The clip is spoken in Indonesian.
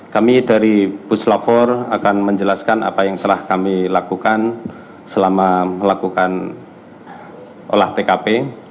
kami dari puslapor akan menjelaskan apa yang telah kami lakukan selama melakukan olah tkp